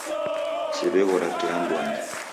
Siw'eghora tee anduangi.